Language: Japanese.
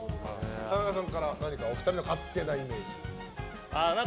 田中さんから何かお二人の勝手なイメージ。